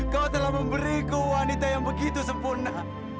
kau telah memberiku wanita yang begitu sempurna